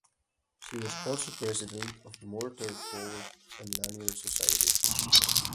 She was also president of the Mortar Board and Lanier Society.